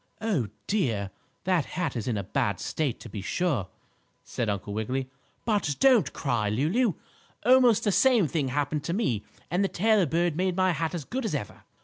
"Oh, dear! That hat is in a bad state, to be sure," said Uncle Wiggily. "But don't cry, Lulu. Almost the same thing happened to me and the tailor bird made my hat as good as ever.